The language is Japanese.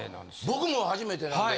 僕も初めてなんで。